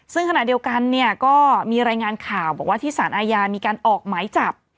ซึ่งขณะเดียวกันเนี่ยก็มีรายงานข่าวบอกว่าที่สารอาญามีการออกหมายจับ